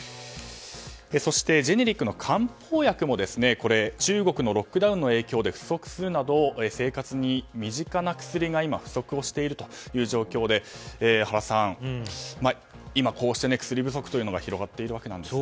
そして、ジェネリックの漢方薬も中国のロックダウンの影響で不足するなど生活に身近な薬が今、不足をしているという状況で原さん、今こうして薬不足が広がっているわけです。